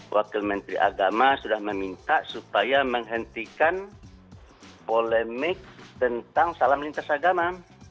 wakil menteri agama sudah meminta supaya menghentikan polemik tentang salam lintas agama